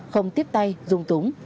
không tiếp tay dung túng